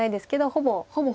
ほぼほぼ。